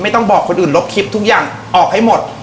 ต้องบอกคนอื่นลบคลิปทุกอย่างออกให้หมด